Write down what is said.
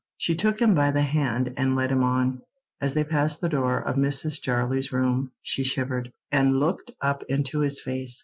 She took him by the hand and led him on. As they passed the door of Mrs. Jarley's room she shivered, and looked up into his face.